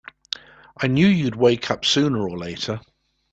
I knew you'd wake up sooner or later!